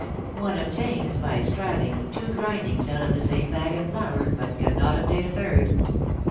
One obtains, by striving, two grindings out of the same bag of flour, but cannot obtain a third.